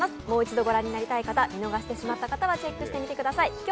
もう一度御覧になりたい方見逃してしまった方は是非、御覧ください。